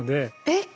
えっ！